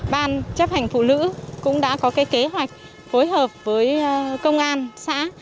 ban chấp hành phụ nữ cũng đã có cái kế hoạch phối hợp với công an xã